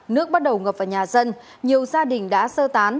nước bắt đầu ngập vào nhà dân nhiều gia đình đã sơ tán